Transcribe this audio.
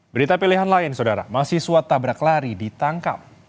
berita pilihan lain saudara mahasiswa tabrak lari ditangkap